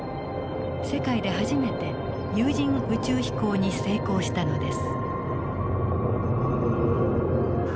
世界で初めて有人宇宙飛行に成功したのです。